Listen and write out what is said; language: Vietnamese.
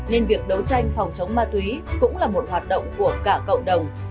nên việc đấu tranh phòng chống ma túy cũng là một hoạt động của cả cộng đồng